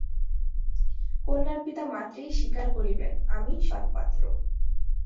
কন্যার পিতা মাত্রেই স্বীকার করিবেন, আমি সৎপাত্র।